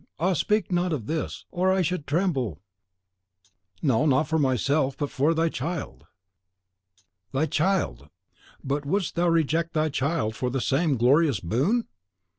Ah, speak not thus, or I should tremble, no, not for myself, but for thy child." "Thy child! But wouldst thou reject for thy child the same glorious boon?"